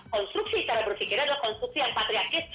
konstruksi cara berpikirnya adalah konstruksi yang patriakis